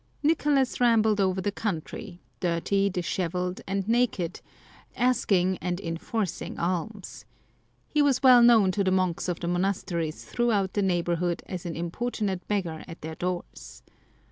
Nicolas rambled over the country, dirty, dishevelled, and naked, asking and enforcing alms. He was well known to the monks of the monasteries throughout the neighbourhood as an importunate beggar at their doors.